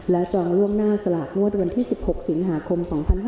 จองล่วงหน้าสลากงวดวันที่๑๖สิงหาคม๒๕๖๒